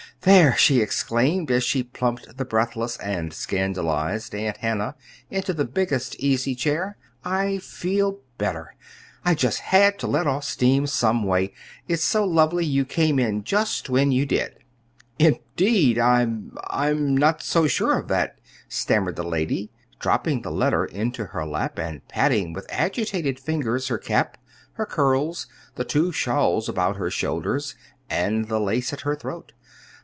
"There!" she exclaimed, as she plumped the breathless and scandalized Aunt Hannah into the biggest easy chair. "I feel better. I just had to let off steam some way. It's so lovely you came in just when you did!" "Indeed! I I'm not so sure of that," stammered the lady, dropping the letter into her lap, and patting with agitated fingers her cap, her curls, the two shawls about her shoulders, and the lace at her throat.